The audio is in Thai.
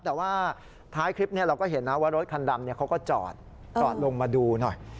แต่ว่าท้ายคลิปนี้เราก็เห็นนะว่ารถคันดำเขาก็จอดจอดลงมาดูหน่อย